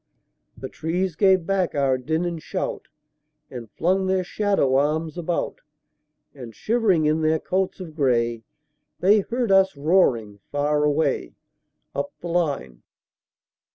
The trees gave back our din and shout, And flung their shadow arms about; And shivering in their coats of gray, They heard us roaring far away, Up the line.